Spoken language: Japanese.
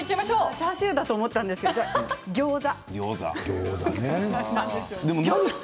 チャーシューだと思ったんだけどじゃあギョーザ。